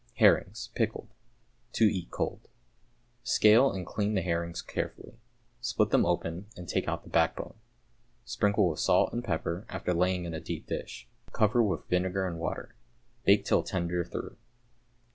=Herrings, Pickled= (to eat cold). Scale and clean the herrings carefully, split them open and take out the backbone. Sprinkle with salt and pepper after laying in a deep dish. Cover with vinegar and water. Bake till tender through.